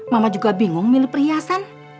mama juga bingung milih perhiasan